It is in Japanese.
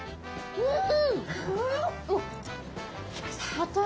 うん。